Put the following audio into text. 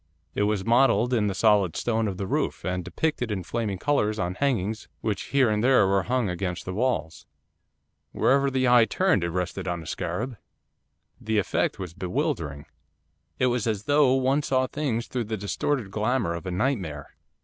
It was modelled in the solid stone of the roof, and depicted in flaming colours on hangings which here and there were hung against the walls. Wherever the eye turned it rested on a scarab. The effect was bewildering. It was as though one saw things through the distorted glamour of a nightmare.